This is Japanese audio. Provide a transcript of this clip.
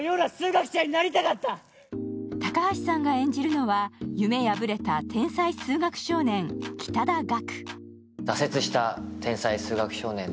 高橋さんが演じるのは夢破れた天才数学少年、北田岳。